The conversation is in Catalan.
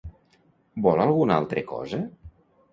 Vol alguna altre cosa?